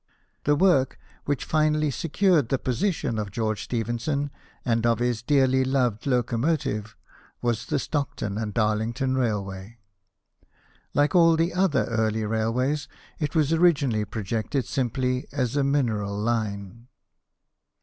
The work which finally secured the position of George Stephenson and of his dearly loved locomotive was the Stockton and Darlington railway. Like all the other early railways, it was originally projected simply as a mineral line.